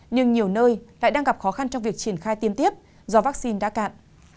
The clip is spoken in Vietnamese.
nhưng nhiều nơi lại đang gặp khó khăn trong việc triển khai tiêm tiếp do vaccine đã cạn